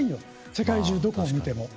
世界中どこを見ても。